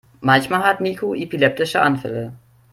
Manchmal hat Niko epileptische Anfälle.